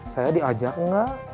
saya diajak gak